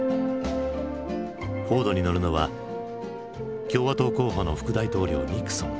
フォードに乗るのは共和党候補の副大統領ニクソン。